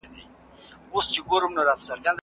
تعلیم د هرې نجلۍ او هلک یو بنسټیز او شرعي حق دی.